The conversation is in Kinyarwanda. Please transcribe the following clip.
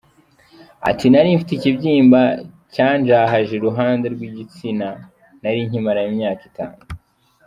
Ati “Nari mfite ikibyimba cyanzahaje iruhande rw’igitsina, nari nkimaranye imyaka itanu.